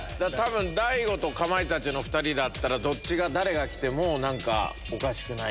大悟とかまいたちの２人だったら誰が来てもおかしくない。